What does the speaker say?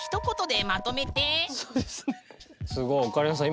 すごいオカリナさん